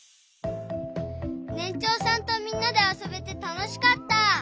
ねんちょうさんとみんなであそべてたのしかった！